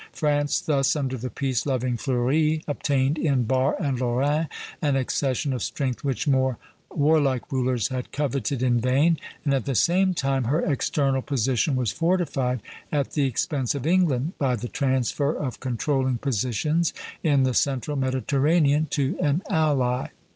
France thus, under the peace loving Fleuri, obtained in Bar and Lorraine an accession of strength which more warlike rulers had coveted in vain; and at the same time her external position was fortified at the expense of England, by the transfer of controlling positions in the central Mediterranean to an ally.